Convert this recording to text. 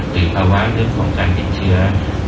คือข้ารึกของเก็บเชื้อ